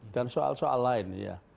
dan soal soal lainnya ya